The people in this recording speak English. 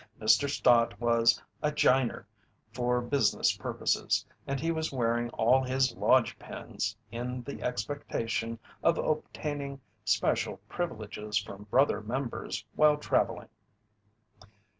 Mr. Stott was a "jiner" for business purposes and he was wearing all his lodge pins in the expectation of obtaining special privileges from brother members while travelling.